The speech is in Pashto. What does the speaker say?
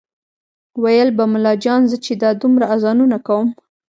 ویل به ملا جان زه چې دا دومره اذانونه کوم